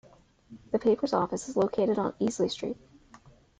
The paper's office is located on Easley Street.